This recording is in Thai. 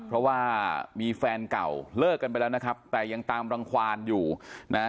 เพราะว่ามีแฟนเก่าเลิกกันไปแล้วนะครับแต่ยังตามรังความอยู่นะฮะ